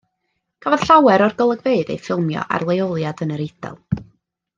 Cafodd llawer o'r golygfeydd eu ffilmio ar leoliad yn yr Eidal.